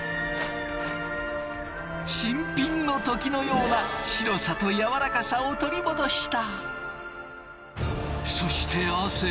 新品の時のような白さとやわらかさを取り戻した。